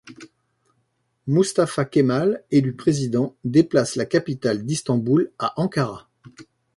Mustafa Kemal, élu président, déplace la capitale d’Istanbul à Ankara.